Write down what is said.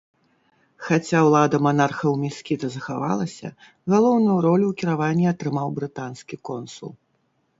Хаця ўлада манархаў міскіта захавалася, галоўную ролю ў кіраванні атрымаў брытанскі консул.